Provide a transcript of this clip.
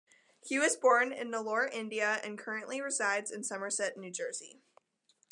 He was born in Nellore, India, and currently resides in Somerset, New Jersey.